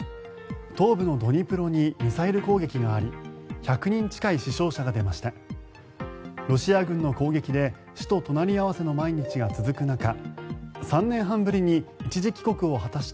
東部のドニプロにミサイル攻撃があり１００人近い死傷者が出ました。